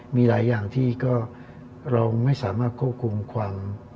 มีหลายอย่างที่ก็เราไม่สามารถควบคุมความ